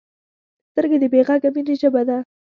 سترګې د بې غږه مینې ژبه ده